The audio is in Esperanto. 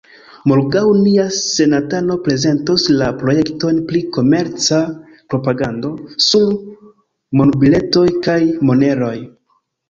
Morgaŭ nia senatano prezentos la projekton pri komerca propagando sur monbiletoj kaj moneroj.